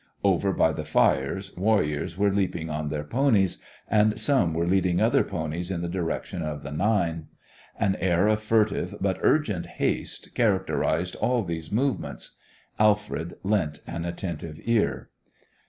Over by the fires warriors were leaping on their ponies, and some were leading other ponies in the direction of the nine. An air of furtive but urgent haste characterised all these movements. Alfred lent an attentive ear.